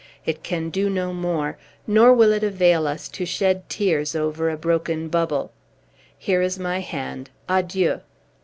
It can do no more; nor will it avail us to shed tears over a broken bubble. Here is my hand! Adieu!"